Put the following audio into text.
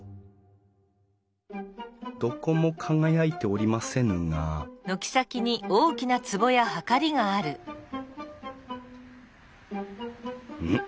どこも輝いておりませんがん？